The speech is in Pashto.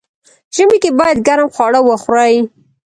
ژمی کی باید ګرم خواړه وخوري.